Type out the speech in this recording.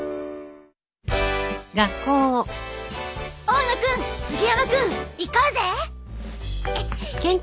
大野君杉山君行こうぜ！